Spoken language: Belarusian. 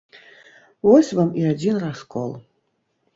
Вось вам і адзін раскол.